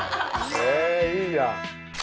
へぇいいじゃん。